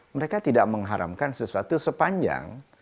mereka tidak mengharamkan sesuatu sepanjang